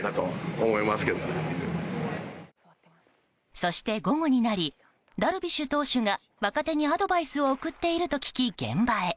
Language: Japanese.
そして午後になりダルビッシュ投手が若手にアドバイスを送っていると聞き現場へ。